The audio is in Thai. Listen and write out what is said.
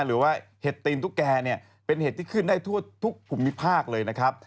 หรือว่าเห็ดตีนตุ๊กแกเป็นเห็ดที่ขึ้นได้ทั่วทุกภูมิภาคเลยนะครับ